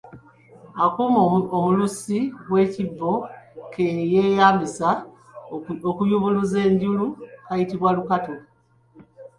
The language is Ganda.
Akuuma omulusi w’ekibbo ke yeeyambisa okuyubuluza enjulu kayitibwa lukato.